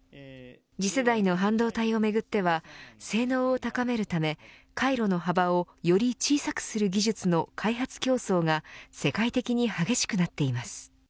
次世代の半導体を巡っては性能を高めるため回路の幅をより小さくする技術の開発競争が世界的に激しくなっています。